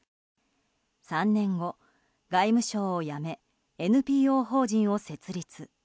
３年後、外務省を辞めＮＰＯ法人を設立。